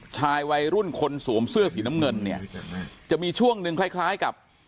ชายวัยรุ่นคนสวมเสื้อสีน้ำเงินเนี่ยจะมีช่วงหนึ่งคล้ายคล้ายกับ